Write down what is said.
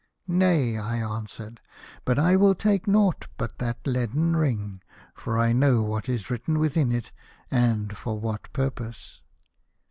"' Nay,' I answered, ' but I will take nought but that leaden ring, for I know what is written within it, and for what purpose.